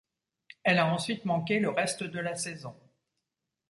Elle a ensuite manqué le reste de la saison.